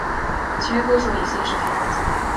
其余歌手以姓氏开头字母排列。